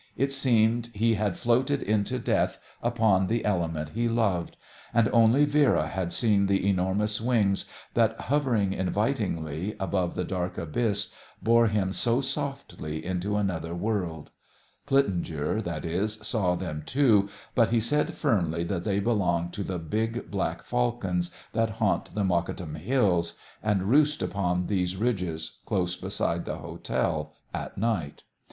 It seemed he had floated into death upon the element he loved. And only Vera had seen the enormous wings that, hovering invitingly above the dark abyss, bore him so softly into another world. Plitzinger, that is, saw them, too, but he said firmly that they belonged to the big black falcons that haunt the Mokattam Hills and roost upon these ridges, close beside the hotel, at night.